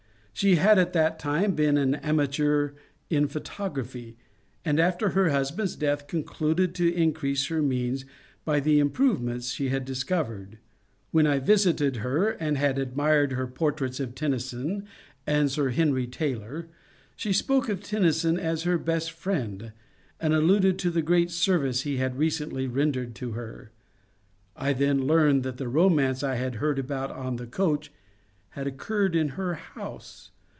She had at that time been an amateur in photography, and after her husband's death concluded to increase her means by the improvements she had discovered. When I visited her, and had admired her portraits of Tennyson and Sir Henry Taylor, she spoke of Tennyson as her best friend, and alluded to the great service he had recently rendered to her. I then learned that the romance I had heard about on the coach had occurred in her house.